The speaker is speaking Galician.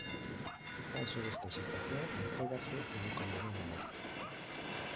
Canso desta situación entrégase e é condenado a morte.